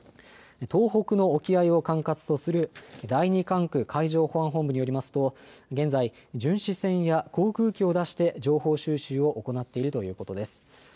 東北の沖合を管轄とする第２管区海上保安本部によりますと現在巡視船や航空機を出して情報収集を行っているということです。